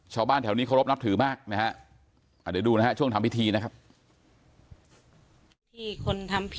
ชาวบ้านแถวนี้เค้ารบนับถือมากนะครับ